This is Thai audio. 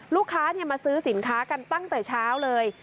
ลูกค้ามาซื้อสินค้ากันตั้งแต่เช้าเลย